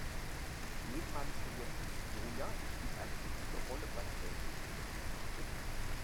Genmanipuliertes Soja spielt eine wichtige Rolle bei der weltweiten Produktion von Tierfutter.